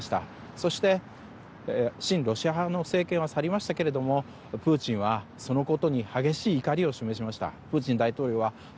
そして、親ロシア派の政権は去りましたけれどもプーチン大統領はそのことに激しい怒りを示しました。